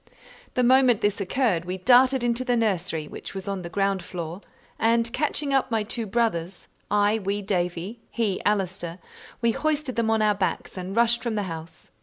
The moment this occurred we darted into the nursery, which was on the ground floor, and catching up my two brothers, I wee Davie, he Allister, we hoisted them on our backs and rushed from the house.